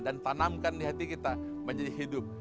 dan tanamkan di hati kita menjadi hidup